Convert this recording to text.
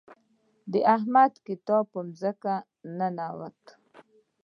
د احمد کتاب په ځمکه ننوت.